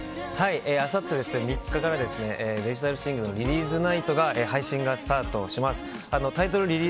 あさって３日からデジタルシングル「ＲＩＬＹ’ＳＮＩＧＨＴ」の配信がスタートします。